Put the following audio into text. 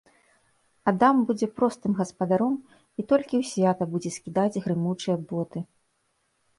Адам будзе простым гаспадаром і толькі ў свята будзе скідаць грымучыя боты.